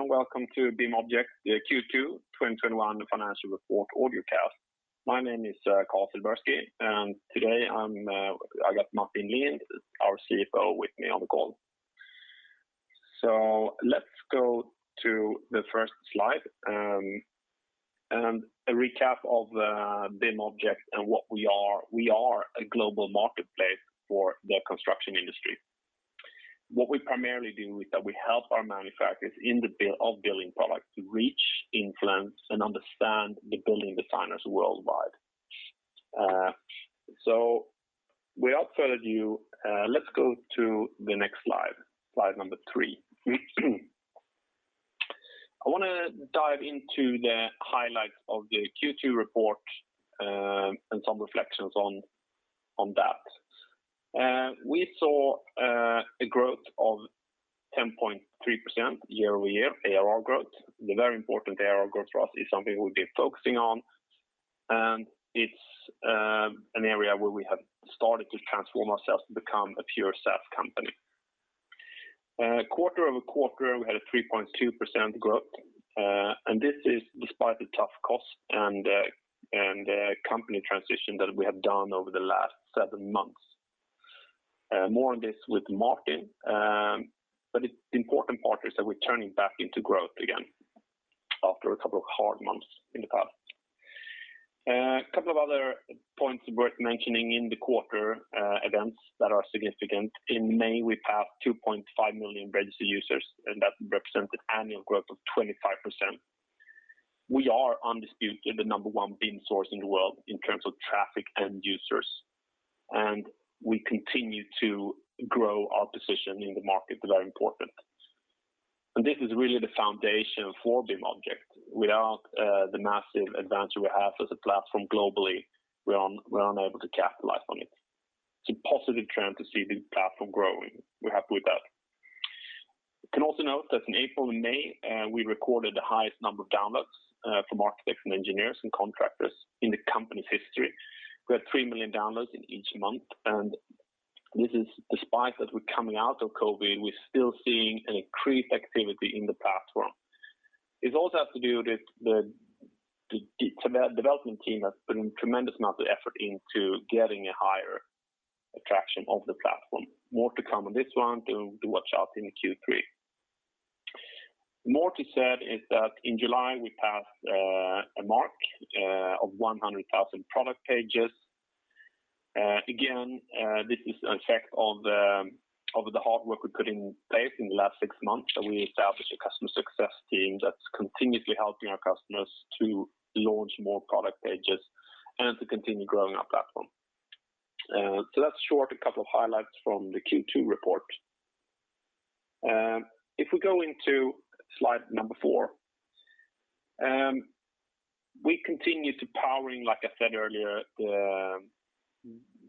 Good afternoon and welcome to BIMobject, the Q2 2021 financial report audio cast. My name is Carl Silbersky, and today I'm I got Martin Lindh, our CFO with me on the call. Let's go to the first slide and a recap of BIMobject and what we are. We are a global marketplace for the construction industry. What we primarily do is that we help our manufacturers in the building product to reach influence and understand the building designers worldwide. Without further ado, let's go to the next slide number three. I wanna dive into the highlights of the Q2 report and some reflections on that. We saw a growth of 10.3% year-over-year ARR growth. The very important ARR growth for us is something we'll be focusing on. It's an area where we have started to transform ourselves to become a pure SaaS company. Quarter-over-quarter, we had a 3.2% growth. This is despite the tough cost and company transition that we have done over the last 7 months. More on this with Martin. It's important part is that we're turning back into growth again after a couple of hard months in the past. Couple of other points worth mentioning in the quarter, events that are significant. In May, we passed 2.5 million registered users, and that represented annual growth of 25%. We are undisputed the number one BIM source in the world in terms of traffic end users, and we continue to grow our position in the market is very important. This is really the foundation for BIMobject. Without the massive advantage we have as a platform globally, we're unable to capitalize on it. It's a positive trend to see the platform growing. We're happy with that. You can also note that in April and May, we recorded the highest number of downloads from architects and engineers and contractors in the company's history. We had 3 million downloads in each month, and this is despite that we're coming out of COVID, we're still seeing an increased activity in the platform. It also has to do with the development team has put in tremendous amount of effort into getting a higher attraction of the platform. More to come on this one to watch out in Q3. More to said is that in July, we passed a mark of 100,000 product pages. Again, this is an effect of the hard work we put in place in the last six months that we established a customer success team that's continuously helping our customers to launch more product pages and to continue growing our platform. That's short a couple of highlights from the Q2 report. If we go into slide number four, we continue to powering, like I said earlier, the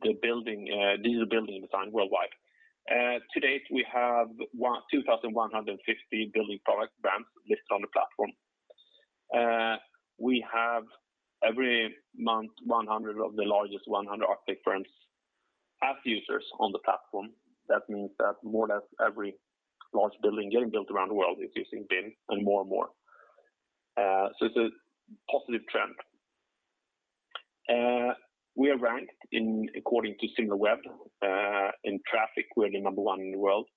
digital building design worldwide. To-date, we have 2,150 building product brands listed on the platform. We have every month, 100 of the largest 100 architect firms as users on the platform. That means that more or less every large building getting built around the world is using BIM and more and more. It's a positive trend. We are ranked in, according to Similarweb, in traffic, we're the number 1 in the world.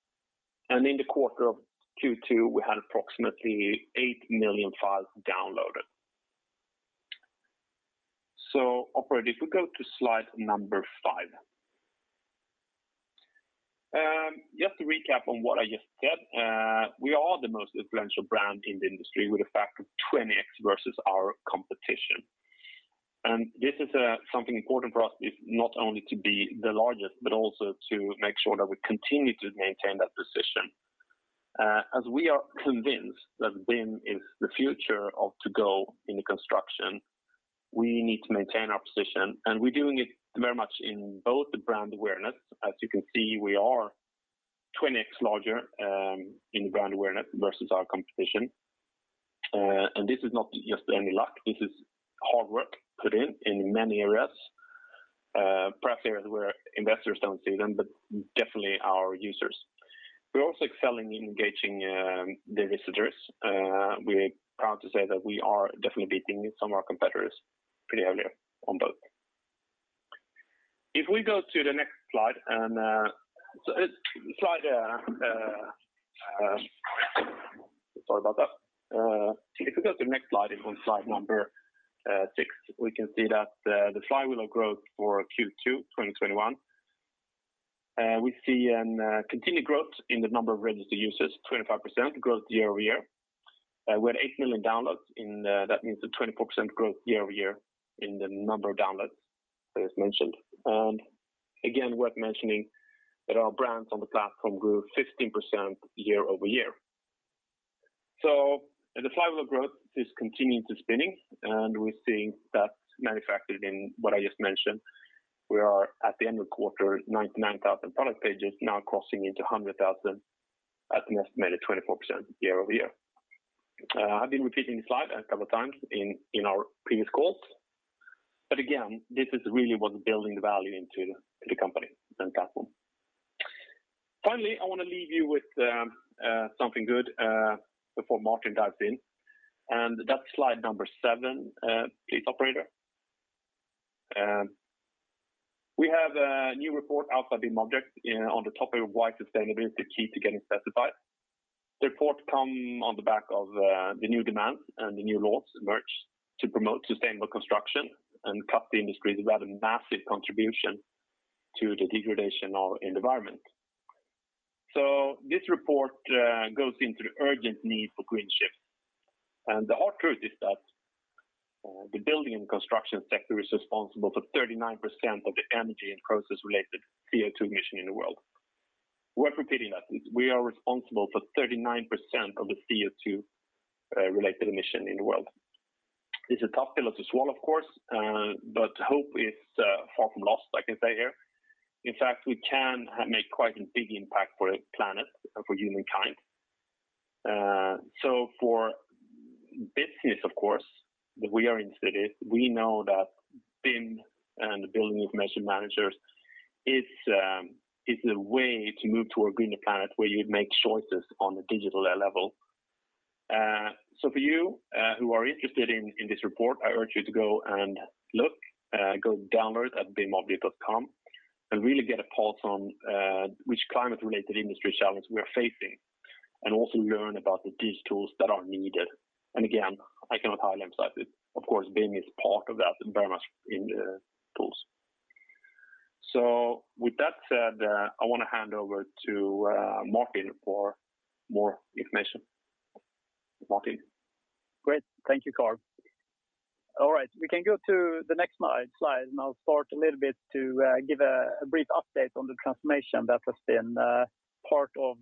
In the quarter of Q2, we had approximately 8 million files downloaded. Operator, if we go to slide number 5. Just to recap on what I just said, we are the most influential brand in the industry with a factor of 20x versus our competition. This is something important for us is not only to be the largest, but also to make sure that we continue to maintain that position. As we are convinced that BIM is the future of togo in the construction, we need to maintain our position, and we're doing it very much in both the brand awareness. As you can see, we are 20x larger in brand awareness versus our competition. This is not just any luck. This is hard work put in in many areas, perhaps areas where investors don't see them, but definitely our users. We're also excelling in engaging the visitors. We're proud to say that we are definitely beating some of our competitors pretty earlier on both. If we go to the next slide, sorry about that. If we go to the next slide on slide number 6, we can see that the flywheel growth for Q2 2021. We see continued growth in the number of registered users, 25% growth year-over-year. We had 8 million downloads, that means a 24% growth year-over-year in the number of downloads that is mentioned. Again, worth mentioning that our brands on the platform grew 15% year-over-year. The flywheel growth is continuing to spinning. We're seeing that manifested in what I just mentioned. We are at the end of quarter, 99,000 product pages now crossing into 100,000 at an estimated 24% year-over-year. I've been repeating this slide a couple times in our previous calls. This is really what's building the value into the company and platform. Finally, I want to leave you with something good before Martin dives in. That's slide number seven. Please, operator. We have a new report out by BIMobject on the topic of why sustainability is the key to getting specified. The report come on the back of the new demands and the new laws emerged to promote sustainable construction and cut the industry's rather massive contribution to the degradation of environment. This report goes into the urgent need for green shift. The hard truth is that the building and construction sector is responsible for 39% of the energy and process-related CO₂ emission in the world. Worth repeating that. We are responsible for 39% of the CO₂ related emission in the world. It's a tough pill to swallow, of course, but hope is far from lost, I can say here. In fact, we can make quite a big impact for the planet and for humankind. For business, of course, that we are interested in, we know that BIM and the building information management is a way to move to a greener planet where you make choices on the digital level. For you, who are interested in this report, I urge you to go and look, go download at bimobject.com and really get a pulse on, which climate-related industry challenge we are facing and also learn about the digital tools that are needed. Again, I cannot highlight and emphasize it. Of course, BIM is part of that and very much in the tools. With that said, I want to hand over to Martin for more information. Martin. Great. Thank you, Carl. All right, we can go to the next slide. I'll start a little bit to give a brief update on the transformation that has been part of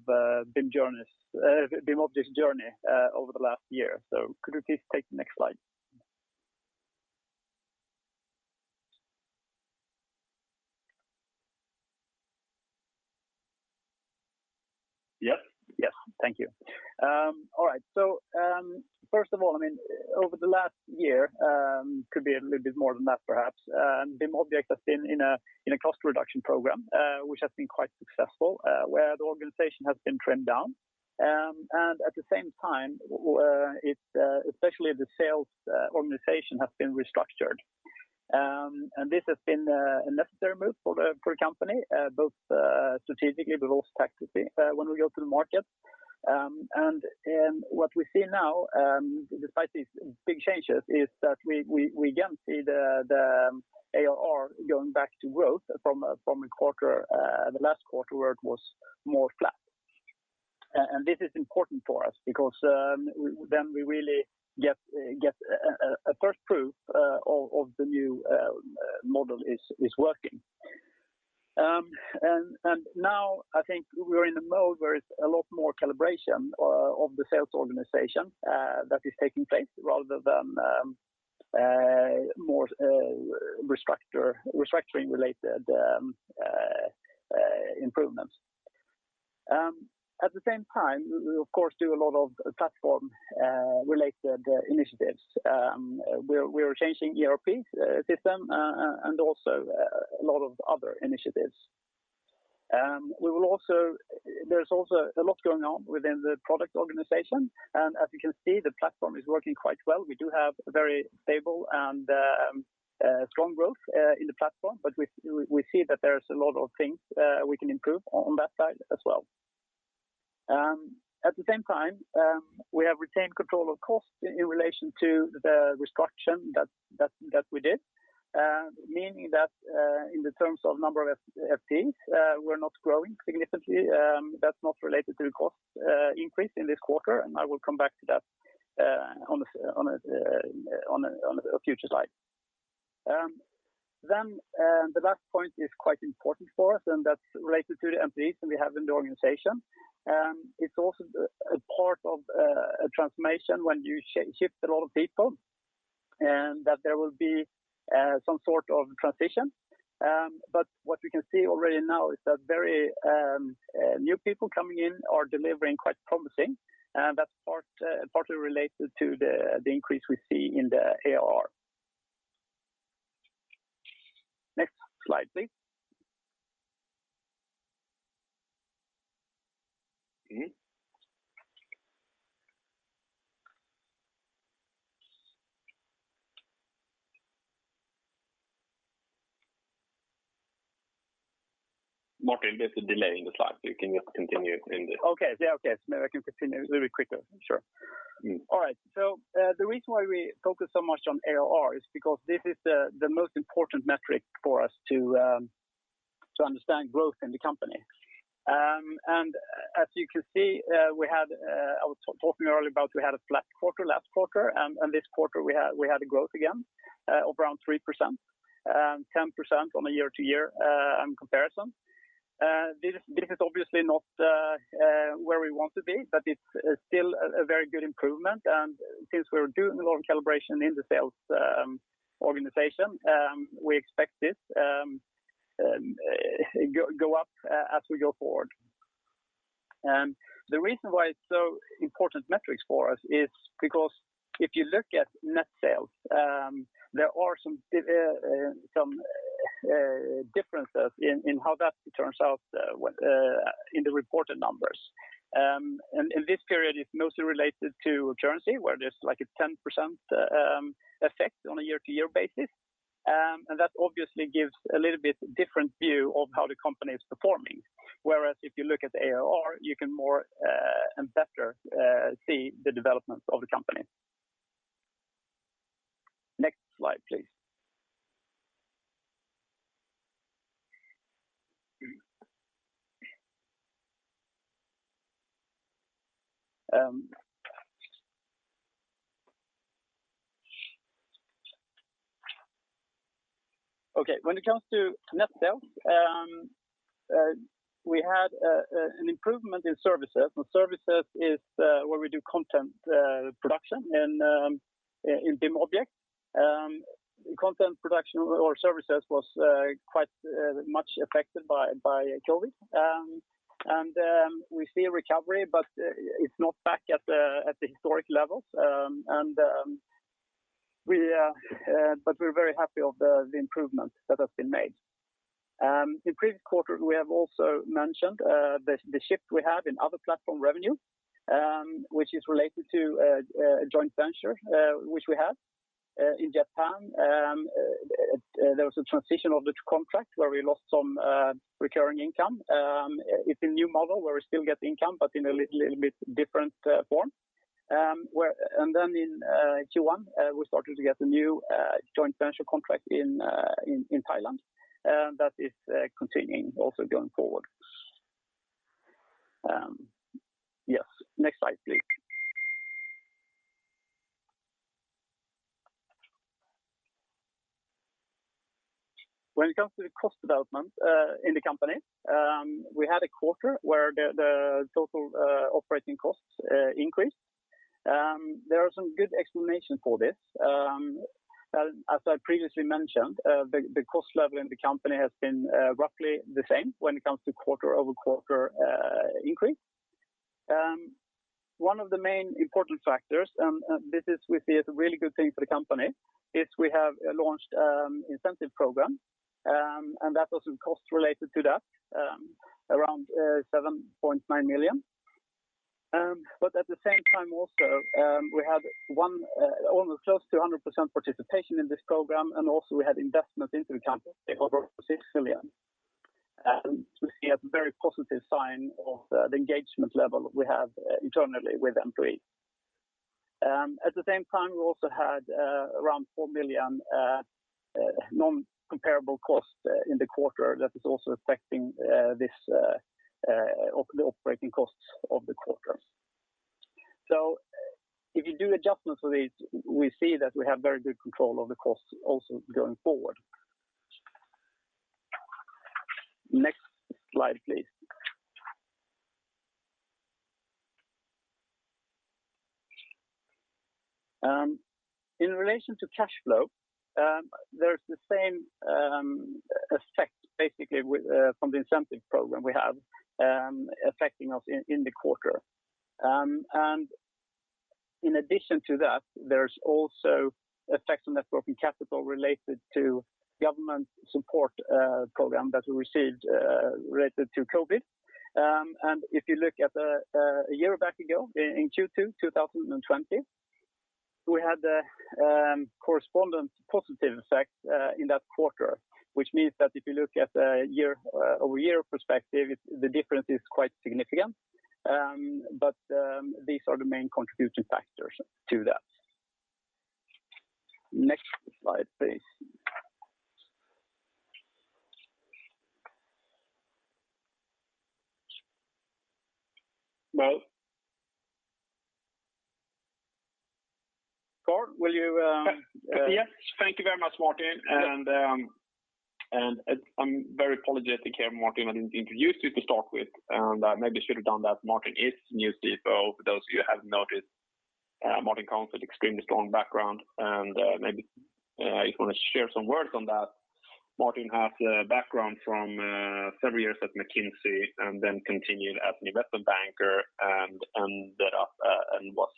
BIMobject's journey over the last year. Could we please take the next slide? Yep. Yes. Thank you. All right. First of all, I mean, over the last year, could be a little bit more than that perhaps, BIMobject has been in a cost reduction program, which has been quite successful, where the organization has been trimmed down. At the same time, it's especially the sales organization has been restructured. This has been a necessary move for the company, both strategically but also tactically, when we go to the market. What we see now, despite these big changes, is that we again see the ARR going back to growth from a quarter, the last quarter where it was more flat. This is important for us because then we really get a first proof of the new model is working. Now I think we're in a mode where it's a lot more calibration of the sales organization that is taking place rather than more restructuring related improvements. At the same time, we of course do a lot of platform related initiatives. We're changing ERP system and also a lot of other initiatives. There's also a lot going on within the product organization. As you can see, the platform is working quite well. We do have a very stable and strong growth in the platform, we see that there's a lot of things we can improve on that side as well. At the same time, we have retained control of cost in relation to the restructure that we did, meaning that in the terms of number of FTEs, we's not growing significantly. That's not related to cost increase in this quarter, I will come back to that on a future slide. The last point is quite important for us, that's related to the employees that we have in the organization. It's also a part of a transformation when you shift a lot of people and that there will be some sort of transition. But what we can see already now is that very new people coming in are delivering quite promising, that's partly related to the increase we see in the ARR. Next slide, please. Martin, there's a delay in the slide. You can just continue in the. Okay. Yeah, okay. Maybe I can continue a little bit quicker. Sure. All right. The reason why we focus so much on ARR is because this is the most important metric for us to understand growth in the company. As you can see, we had a flat quarter last quarter, and this quarter we had a growth again, of around 3%, 10% on a year-over-year comparison. This is obviously not where we want to be, but it's still a very good improvement. Since we're doing a lot of calibration in the sales organization, we expect this go up as we go forward. The reason why it's so important metrics for us is because if you look at net sales, there are some differences in how that turns out when in the reported numbers. In this period, it's mostly related to currency, where there's like a 10% effect on a year-over-year basis. That obviously gives a little bit different view of how the company is performing. Whereas if you look at the ARR, you can more and better see the development of the company. Next slide, please. Okay, when it comes to net sales, we had an improvement in services. Services is where we do content production in BIMobject. Content production or services was quite much affected by COVID. We see a recovery, but it's not back at the historic levels. We're very happy of the improvements that have been made. In previous quarter, we have also mentioned the shift we have in other platform revenue, which is related to a joint venture which we have in Japan. There was a transition of the contract where we lost some recurring income. It's a new model where we still get income, but in a little bit different form. In Q1, we started to get a new joint venture contract in Thailand that is continuing also going forward. Yes, next slide, please. When it comes to the cost development in the company, we had a quarter where the total operating costs increased. There are some good explanation for this. As I previously mentioned, the cost level in the company has been roughly the same when it comes to quarter-over-quarter increase. One of the main important factors, and this is we see as a really good thing for the company, is we have launched incentive program. That was in cost related to that, around 7.9 million. At the same time, also, we had almost 100% participation in this program. Also, we had investments into the company over 6 million. We see a very positive sign of the engagement level we have internally with employees. At the same time, we also had around 4 million non-comparable costs in the quarter that is also affecting the operating costs of the quarter. If you do adjustments for these, we see that we have very good control of the costs also going forward. Next slide, please. In relation to cash flow, there is the same effect basically from the incentive program we have affecting us in the quarter. In addition to that, there's also effects on that working capital related to government support program that we received related to COVID. If you look at a year back ago in Q2 2020, we had correspondent positive effect in that quarter. Which means that if you look at a year-over-year perspective, the difference is quite significant. These are the main contributing factors to that. Next slide, please. Well, Carl, will you? Yes. Thank you very much, Martin. I'm very apologetic here, Martin, I didn't introduce you to start with, and I maybe should have done that. Martin is new CFO, for those of you who haven't noticed. Martin comes with extremely strong background, and maybe if you wanna share some words on that. Martin has a background from several years at McKinsey and then continued as an Investment Banker and ended up and was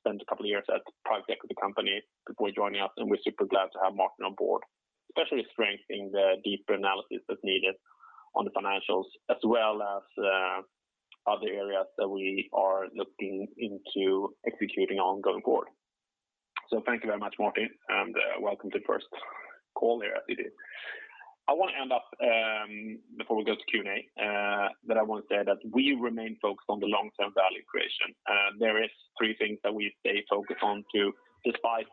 spent a couple of years at private equity company before joining us, and we're super glad to have Martin on board. Especially strengthening the deeper analysis that's needed on the financials as well as other areas that we are looking into executing on going forward. Thank you very much, Martin, and welcome to the first call here as you did. I wanna end up, before we go to Q&A, that I wanna say that we remain focused on the long-term value creation. There is three things that we stay focused on to despite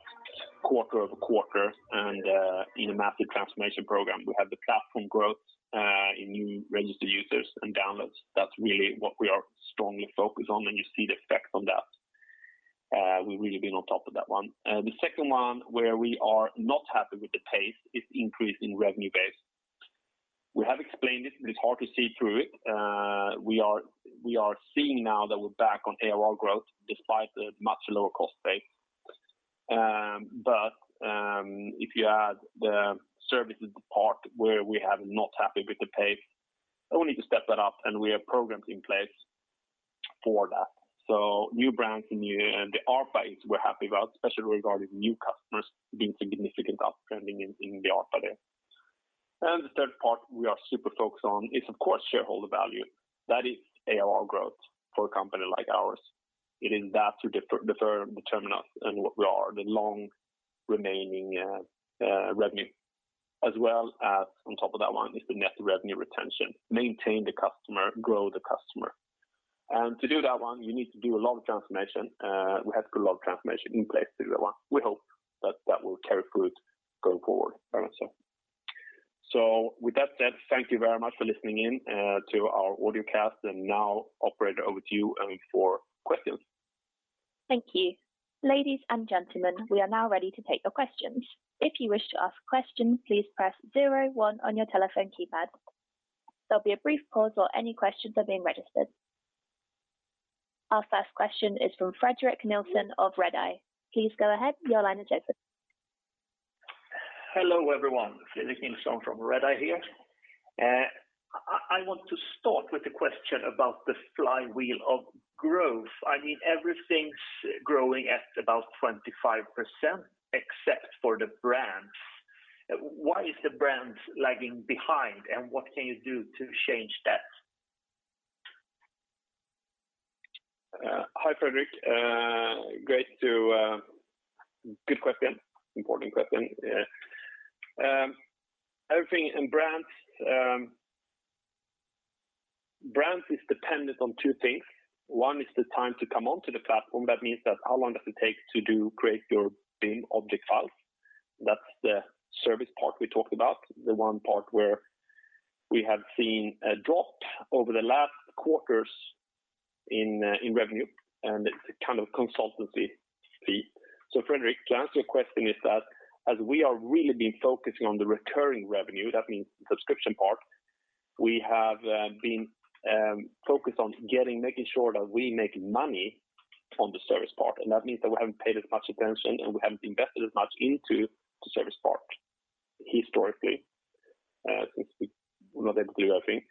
quarter-over-quarter and in a massive transformation program. We have the platform growth in new registered users and downloads. That's really what we are strongly focused on, and you see the effect on that. We've really been on top of that one. The second one where we are not happy with the pace is increase in revenue base. We have explained it, but it's hard to see through it. We are seeing now that we're back on ARR growth despite the much lower cost base. If you add the services part where we are not happy with the pay, we need to step that up and we have programs in place for that. New brands and the ARPA is we're happy about, especially regarding new customers being significant up trending in the ARPA there. The third part we are super focused on is of course, shareholder value. That is ARR growth for a company like ours. It is that to determine us and what we are, the long remaining revenue as well as on top of that one is the net revenue retention, maintain the customer, grow the customer. To do that one, you need to do a lot of transformation. We have a lot of transformation in place to do that one. We hope that that will carry fruit going forward. So with that said, thank you very much for listening in to our audio cast, and now operator over to you for questions. Thank you. Ladies and gentlemen, we are now ready to take your questions. If you wish to ask questions, please press zero one on your telephone keypad. There'll be a brief pause while any questions are being registered. Our first question is from Fredrik Nilsson of Redeye. Please go ahead. Your line is open. Hello, everyone. Fredrik Nilsson from Redeye here. I want to start with a question about the flywheel of growth. I mean, everything's growing at about 25% except for the brands. Why is the brands lagging behind, and what can you do to change that? Hi, Fredrik. Good question. Important question. Yeah. Everything in brands is dependent on two things. One is the time to come onto the platform. That means that how long does it take to do, create your BIM object files. That's the service part we talked about, the one part where we have seen a drop over the last quarters in revenue, and it's a kind of consultancy fee. Fredrik, to answer your question is that as we are really been focusing on the recurring revenue, that means the subscription part, we have been focused on getting, making sure that we make money on the service part. That means that we haven't paid as much attention, and we haven't invested as much into the service part historically, since we're not able to do everything.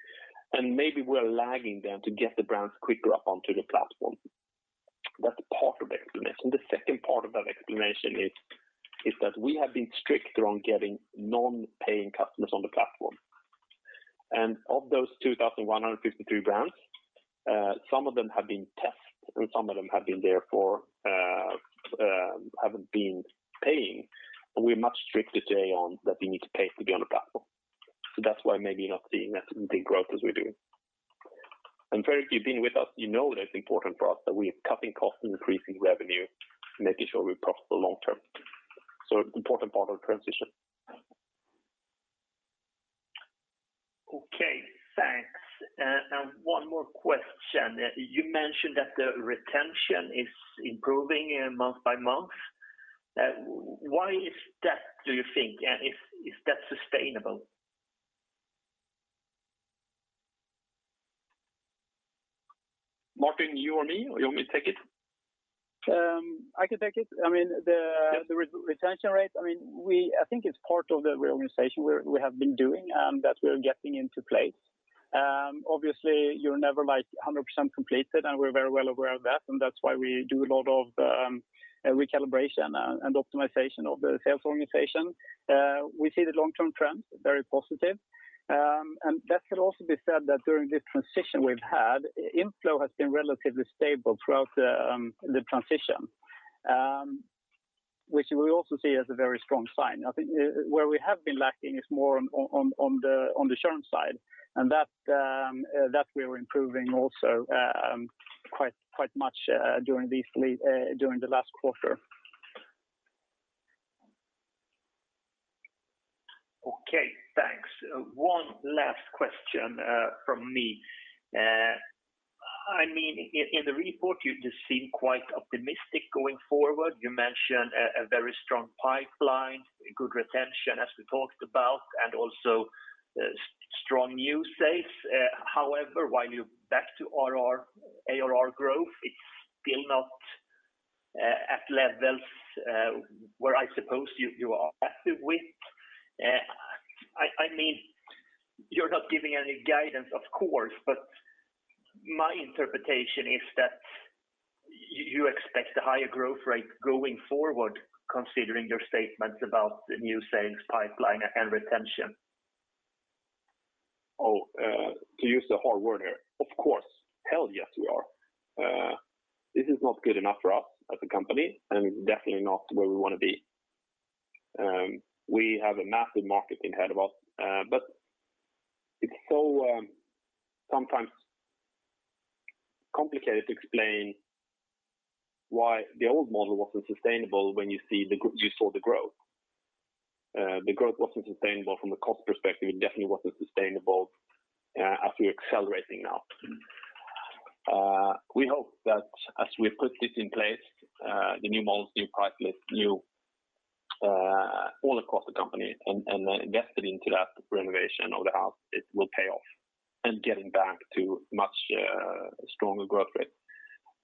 Maybe we're lagging them to get the brands quicker up onto the platform. That's part of the explanation. The second part of that explanation is that we have been strict on getting non-paying customers on the platform. Of those 2,153 brands, some of them have been tests and some of them have been there for, haven't been paying. We're much stricter today on that they need to pay to be on the platform. That's why maybe not seeing as big growth as we do. Fredrik, you've been with us, you know that it's important for us that we are cutting costs and increasing revenue, making sure we profit the long term. It's an important part of the transition. Okay, thanks. One more question. You mentioned that the retention is improving, month-by-month. Why is that, do you think? Is that sustainable? Martin, you or me? You want me to take it? I can take it. I mean, the retention rate, I mean, I think it's part of the reorganization we have been doing that we are getting into place. Obviously you're never like 100% completed, and we're very well aware of that, and that's why we do a lot of recalibration and optimization of the sales organization. We see the long-term trends very positive. That could also be said that during this transition we've had, inflow has been relatively stable throughout the transition, which we also see as a very strong sign. I think where we have been lacking is more on the churn side and that we are improving also quite much during the last quarter. Okay, thanks. One last question from me. I mean in the report, you just seem quite optimistic going forward. You mentioned a very strong pipeline, good retention as we talked about, and also strong new sales. However, while you're back to ARR growth, it's still not at levels where I suppose you are happy with. I mean, you're not giving any guidance of course, but my interpretation is that you expect a higher growth rate going forward considering your statements about the new sales pipeline and retention. To use the hard word here, of course. Hell yes, we are. This is not good enough for us as a company, and it's definitely not where we wanna be. We have a massive market ahead of us, but it's so sometimes complicated to explain why the old model wasn't sustainable when you saw the growth. The growth wasn't sustainable from a cost perspective. It definitely wasn't sustainable as we're accelerating now. We hope that as we put this in place, the new models, new price list, new all across the company and invested into that renovation of the house, it will pay off and getting back to much stronger growth rate.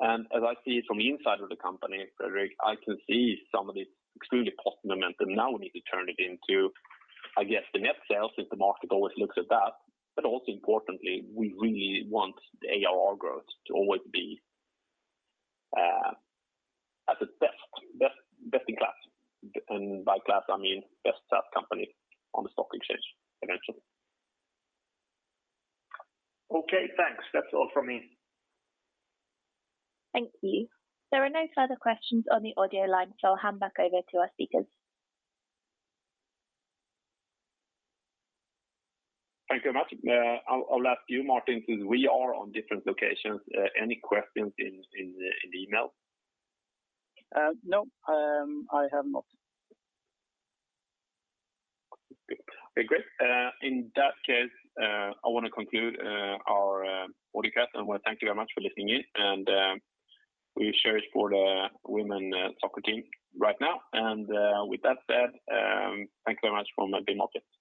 As I see it from the inside of the company, Fredrik, I can see some of the extremely positive momentum. We need to turn it into, I guess, the net sales since the market always looks at that. Also importantly, we really want the ARR growth to always be at the best in class. By class I mean, best SaaS company on the stock exchange eventually. Okay, thanks. That's all from me. Thank you. There are no further questions on the audio line. I'll hand back over to our speakers. Thank you very much. I'll ask you, Martin, since we are on different locations, any questions in the email? No, I have not. Okay, great. In that case, I wanna conclude our audio cast. I wanna thank you very much for listening in and we cheer for the women soccer team right now. With that said, thank you very much from BIMobject.